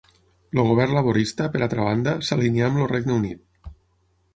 El govern laborista, per altra banda, s'alineà amb el Regne Unit.